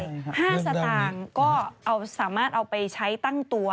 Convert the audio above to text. ใช่๕สตางค์ก็สามารถเอาไปใช้ตั้งตัว